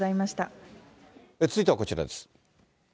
続いてはこちらです。